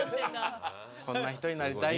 こんな人になりたいよ。